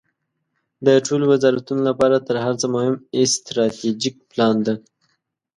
د ټولو وزارتونو لپاره تر هر څه مهم استراتیژیک پلان ده.